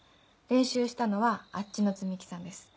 練習したのはあっちの摘木さんです。